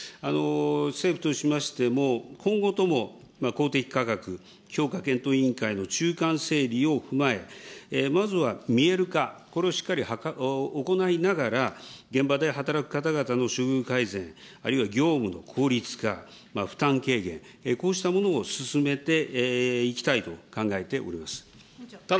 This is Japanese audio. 政府としましても、今後とも、公的価格、評価検討委員会の中間整備を踏まえ、まずは見える化、これをしっかり行いながら、現場で働く方々の処遇改善、あるいは業務の効率化、負担軽減、こうしたものを進めていきたいと考えております。